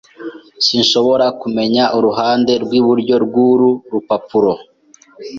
Sinshobora kumenya uruhande rwiburyo rwuru rupapuro.